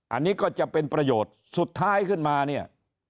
อันนี้ก็จะเป็นประโยชน์สุดท้ายขึ้นมาเนี่ย